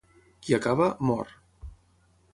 Qui acaba, mor.